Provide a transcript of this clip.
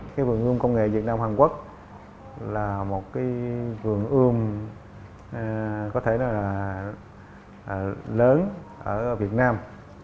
cái vườn ươm công nghệ việt nam hàn quốc là một cái vườn ươm có thể nói là lớn ở việt nam